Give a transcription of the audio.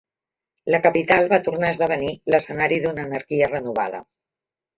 La capital va tornar a esdevenir l'escenari d'una anarquia renovada.